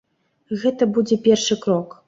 Гэта будзе першы крок.